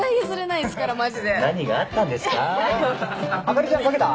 朱里ちゃん書けた？